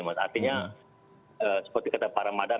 artinya seperti kata pak ramadan